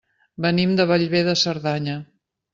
Venim de Bellver de Cerdanya.